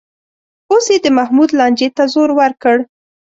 اوس یې د محمود لانجې ته زور ورکړ